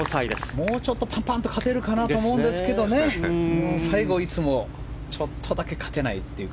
もうちょっとパンパンと勝てるかなと思うんですけど最後、いつもちょっとだけ勝てないというか。